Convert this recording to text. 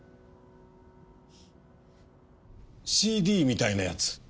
ＣＤみたいなやつ？